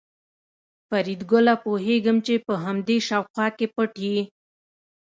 فریدګله پوهېږم چې په همدې شاوخوا کې پټ یې